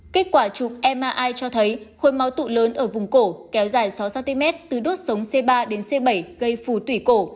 kết quả trục mri cho thấy khối máu tụ lớn ở vùng cổ kéo dài sáu cm từ đốt sống c ba đến c bảy gây phù tủy cổ